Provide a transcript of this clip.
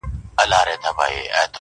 ستا د حُسن د الهام جام یې څښلی,